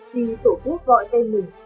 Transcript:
khi tổ quốc gọi tên mình